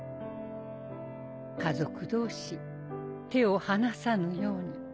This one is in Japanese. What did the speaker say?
家族同士手を離さぬように。